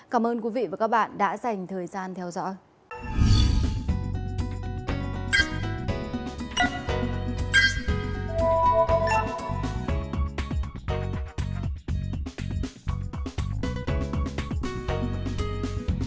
cảm ơn quý vị và các bạn đã dành thời gian theo dõi